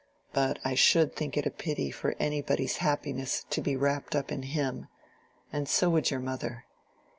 But I should think it a pity for any body's happiness to be wrapped up in him, and so would your mother."